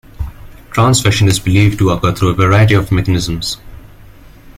Transvection is believed to occur through a variety of mechanisms.